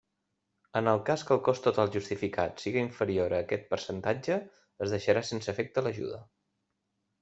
En el cas que el cost total justificat siga inferior a aquest percentatge, es deixarà sense efecte l'ajuda.